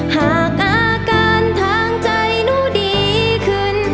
หากอาการทางใจหนูดีขึ้น